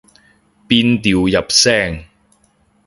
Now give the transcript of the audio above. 變調入聲